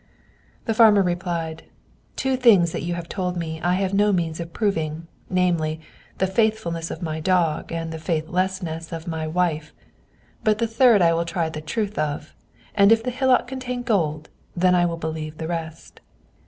The farmer replied, "Two things that you have told me I have no means of proving; namely, the faithfulness of my dog and the faithlessness of my wife. But the third I will try the truth of; and if the hillock contain gold, then I will believe the rest."